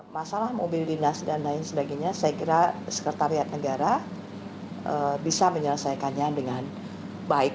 masalah mobil dinas dan lain sebagainya saya kira sekretariat negara bisa menyelesaikannya dengan baik